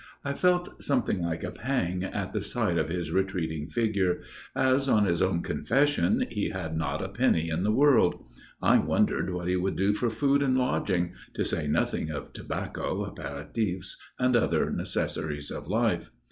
I felt something like a pang at the sight of his retreating figure, as, on his own confession, he had not a penny in the world. I wondered what he would do for food and lodging, to say nothing of tobacco, apéritifs, and other such necessaries of life.